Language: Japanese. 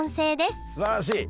すばらしい！